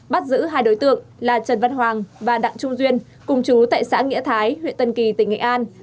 bắt giữ hai đối tượng là trần văn hoàng và đặng trung duyên cùng chú tại xã nghĩa thái huyện tân kỳ tỉnh nghệ an